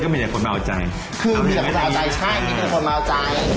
มีคนเหมาใจ